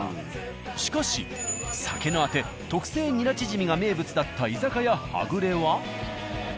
しかし酒のアテ特製ニラチヂミが名物だった「居酒屋はぐれ」は。